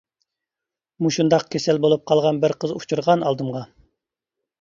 مۇشۇنداق كېسەل بولۇپ قالغان بىر قىز ئۇچرىغان ئالدىمغا.